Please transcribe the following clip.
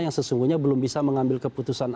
yang sesungguhnya belum bisa mengambil keputusan